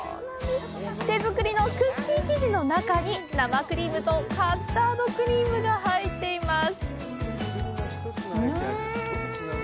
手作りのクッキー生地の中に生クリームとカスタードクリームが入っています。